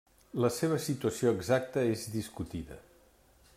La seva situació exacta és discutida.